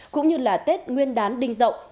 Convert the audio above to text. cũng như là tết nguyên đán đinh dậu